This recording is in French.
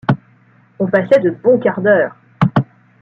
On passait de bons quarts d’heure.